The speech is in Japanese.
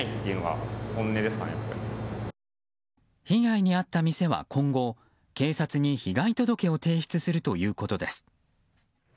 被害に遭った店は今後警察に被害届を提出するということです。